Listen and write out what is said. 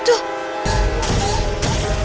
itu itu tidak mustahil